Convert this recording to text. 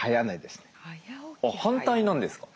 反対なんですか？